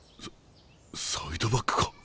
ササイドバックか。